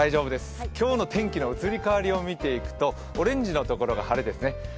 今日の天気の移り変わりを見ていくと、オレンジのところが晴れですね